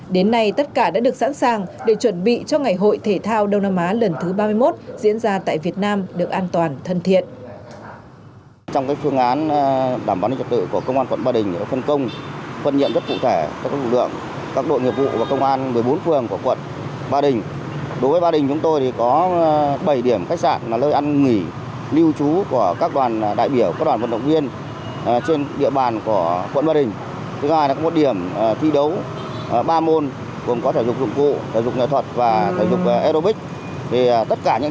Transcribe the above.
đến nay tất cả đã được sẵn sàng để chuẩn bị cho ngày hội thể thao đông nam á lần thứ ba mươi một diễn ra tại việt nam được an toàn thân thiện